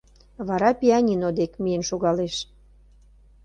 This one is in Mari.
Вара пианино дек миен шогалеш.